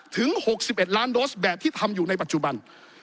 ถึง๖๑ล้านโดสแบบที่ทำอยู่ในปัจจุบัน